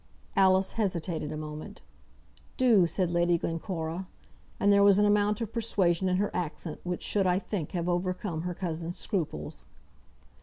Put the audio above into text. Alice hesitated a moment. "Do," said Lady Glencora; and there was an amount of persuasion in her accent which should, I think, have overcome her cousin's scruples.